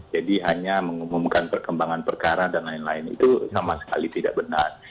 jadi hanya mengumumkan perkembangan perkara dan lain lain itu sama sekali tidak benar